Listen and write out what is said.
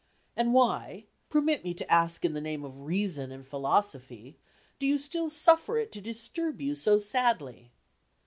And why permit me to ask in the name of reason and philosophy do you still suffer it to disturb you so sadly?